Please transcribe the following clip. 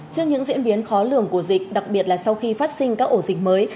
trước những diễn biến khó lường của dịch đặc biệt là sau khi phát sinh các ổ dịch mới